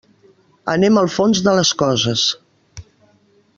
Anem al fons de les coses.